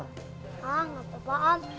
oh gak apa apa om